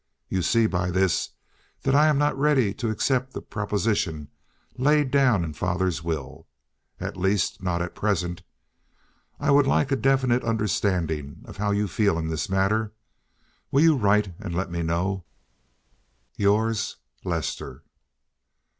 You see by this that I am not ready to accept the proposition laid down in father's will—at least, not at present. I would like a definite understanding of how you feel in this matter. Will you write and let me know? "Yours, "LESTER."